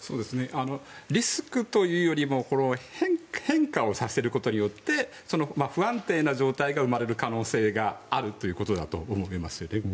リスクというよりも変化をさせることによって不安定な状態が生まれる可能性があるということだと思います。